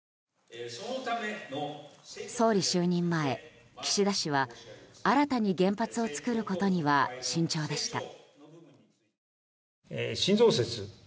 総理就任前、岸田氏は新たに原発を作ることには慎重でした。